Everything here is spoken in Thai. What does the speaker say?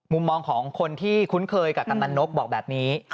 มุมมองของคนที่คุ้นเคยกับกำนันนกบอกแบบนี้